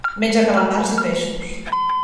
Menja calamars i peixos.